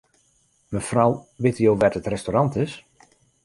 Mefrou, witte jo wêr't it restaurant is?